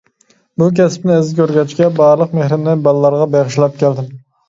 بۇ كەسىپنى ئەزىز كۆرگەچكە، بارلىق مېھرىمنى بالىلارغا بېغىشلاپ كەلدىم.